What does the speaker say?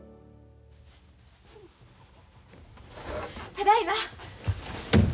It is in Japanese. ただいま。